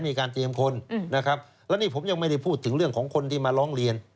มีการเตรียมคนนะครับแล้วนี่ผมยังไม่ได้พูดถึงเรื่องของคนที่มาร้องเรียน